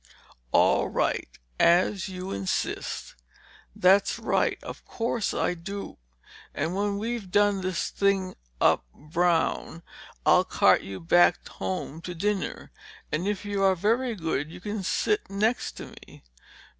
"All right. As you insist—" "That's right. Of course I do. And when we've done this thing up brown, I'll cart you back home to dinner—and if you are very good you can sit next to me!"